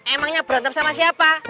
emangnya berantem sama siapa